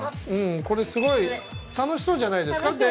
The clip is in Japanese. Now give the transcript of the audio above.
うんこれすごい楽しそうじゃないですか